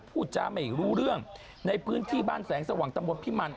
พูดจาไม่รู้เรื่องในพื้นที่บ้านแสงสว่างตำบลพิมัน